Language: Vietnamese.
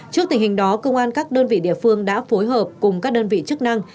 trước tình hình đó công an các đơn vị địa phương đã phối hợp cùng các đơn vị chức năng